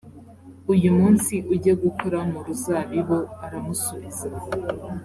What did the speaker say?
uyu munsi ujye gukora mu ruzabibu aramusubiza